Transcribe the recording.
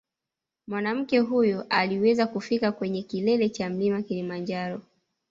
Mwanamke huyo aliweza kufika kwenye kilele cha mlima Kilimanjaro